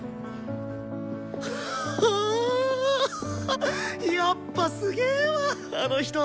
はぁやっぱすげわあの人。